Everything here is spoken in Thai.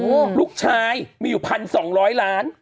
ลูกชายมีอยู่๑๒๐๐ล้าน